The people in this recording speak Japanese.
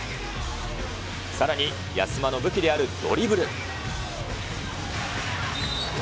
さらに、安間の武器であるドリブル。